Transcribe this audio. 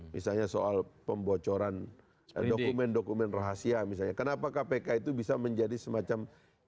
misalnya soal pembocoran dokumen dokumen rahasia misalnya kenapa kpk itu bisa menjadi semacam